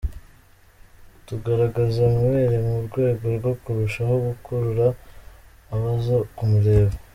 tugaragaza amabere mu rwego rwo kurushaho gukurura abaza kumureba.